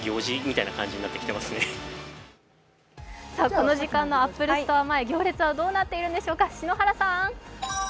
この時間のアップルストア前、行列はどうなっているんでしょうか、篠原さん。